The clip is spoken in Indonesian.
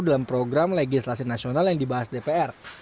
dalam program legislasi nasional yang dibahas dpr